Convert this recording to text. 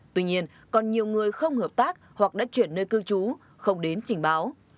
tuy nhiên còn nhiều người không hợp tác hoặc đã chuyển nơi cư trú không đến trình báo